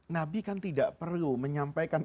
nabi kan tidak perlu menyampaikan